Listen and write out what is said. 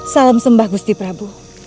salam sembah gusti prabu